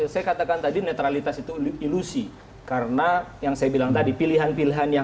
saya katakan tadi netralitas itu ilusi karena yang saya bilang tadi pilihan pilihan yang